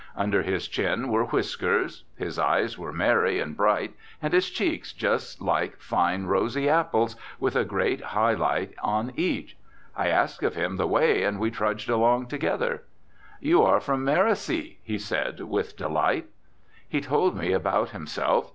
Under his chin were whiskers; his eyes were merry and bright and his cheeks just like fine rosy apples, with a great high light on each. I asked of him the way and we trudged along together. "You are from Mericy," he said with delight. He told me about himself.